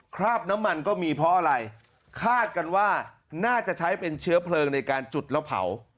คราบน้ำมันก็มีเพราะอะไรคาดกันว่าน่าจะใช้เป็นเชื้อเพลิงในการจุดแล้วเผา